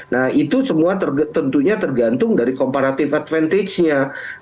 nah itu semua tentunya tergantung dari comparative advantage nya